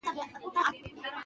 ژبه د اړیکو روح ده.